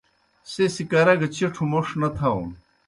سہ سیْ کرہ گہ چِٹھوْ موْݜ نہ تھاؤن۔